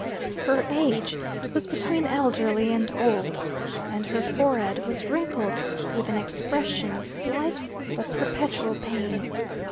Her age was between elderly and old, and her forehead was wrinkled with an expression of slight but perpetual pain.